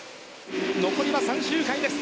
残りは３周回です。